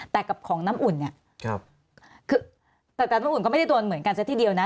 แต่กับของน้ำอุ่นเนี่ยคือแต่น้ำอุ่นก็ไม่ได้โดนเหมือนกันซะทีเดียวนะ